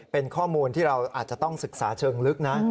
เป็นข้อมูลที่เราอาจจะต้องศึกษาเชิงลึกนะ